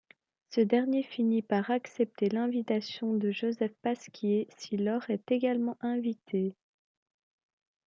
Ce dernier finit par accepter l'invitation de Joseph Pasquier, si Laure est également invitée.